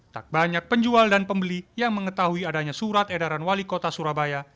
tak banyak penjual dan pembeli yang mengetahui adanya surat edaran wali kota surabaya